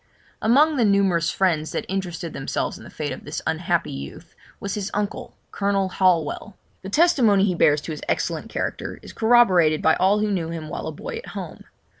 Among the numerous friends that interested themselves in the fate of this unhappy youth, was his uncle, Colonel Holwell. The testimony he bears to his excellent character is corroborated by all who knew him while a boy at home.